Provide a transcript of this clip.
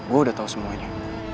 gue udah tahu semuanya